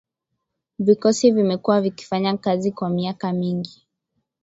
Vikosi vimekuwa vikifanya kazi kwa miaka mingi